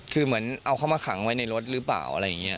คือเหมือนเอาเขามาขังไว้ในรถหรือเปล่าอะไรอย่างนี้